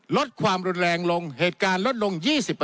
ลดความรุนแรงลงเหตุการณ์ลดลง๒๕